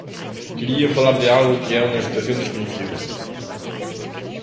Quería falar de algo que é unha situación descoñecida.